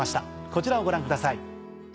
こちらをご覧ください。